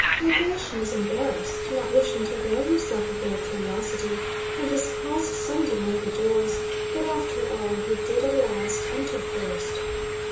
Bagratión was embarrassed, not wishing to avail himself of their courtesy, and this caused some delay at the doors, but after all he did at last enter first.